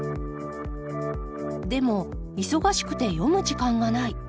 でも忙しくて読む時間がない。